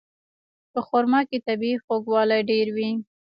په خرما کې طبیعي خوږوالی ډېر وي.